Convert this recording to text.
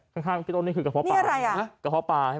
ไหนในนี่ก็เรียกว่าเกราะพลา